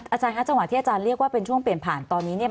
อาจารย์คะจังหวะที่อาจารย์เรียกว่าเป็นช่วงเปลี่ยนผ่านตอนนี้เนี่ย